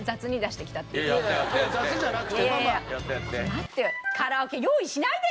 待ってよ。